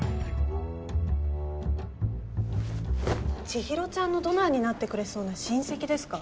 ちひろちゃんのドナーになってくれそうな親戚ですか？